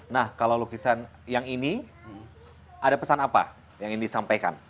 nah kalau lukisan yang ini ada pesan apa yang ingin disampaikan